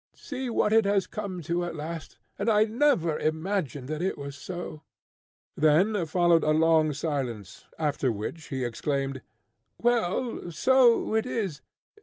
see what it has come to at last! and I never imagined that it was so!" Then followed a long silence, after which he exclaimed, "Well, so it is!